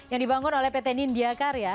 yang dibangun oleh pt nindya karya